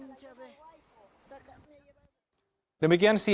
menelanjuti perjalanan ke daerah ini